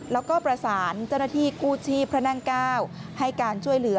แล้วก็ประสานเจ้าหน้าที่กู้ชีพพระนั่ง๙ให้การช่วยเหลือ